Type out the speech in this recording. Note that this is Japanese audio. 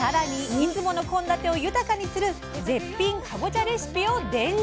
いつもの献立を豊かにする絶品かぼちゃレシピを伝授。